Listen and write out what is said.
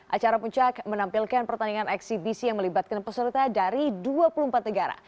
acara puncak menampilkan pertandingan eksibisi yang melibatkan peserta dari dua puluh empat negara